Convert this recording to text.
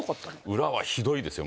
裏はひどいですよ